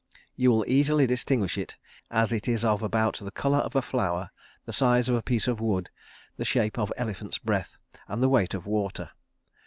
You will easily distinguish it, as it is of about the colour of a flower, the size of a piece of wood, the shape of elephant's breath, and the weight of water.